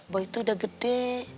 boy itu udah gede